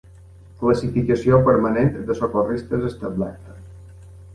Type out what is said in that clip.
Classificació Permanent de Socorristes establerta.